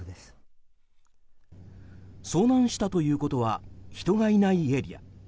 遭難したということは人がいないエリア。